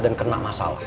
dan kena masalah